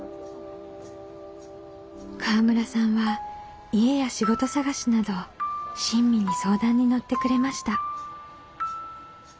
河村さんは家や仕事探しなど親身に相談に乗ってくれました。